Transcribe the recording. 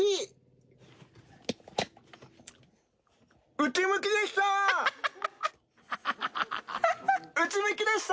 「うちむき」でした。